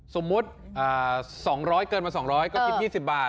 สมมุติ๒๐๐เกินมา๒๐๐ก็คิด๒๐บาท